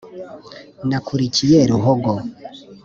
nakurikiye ruhogo